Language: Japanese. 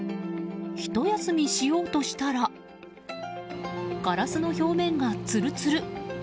ひと休みしようとしたらガラスの表面がつるつる。